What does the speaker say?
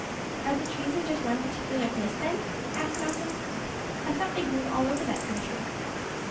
"Are the trees just in one particular place, then?" asked Malcolm. "I thought they grew all over that country?"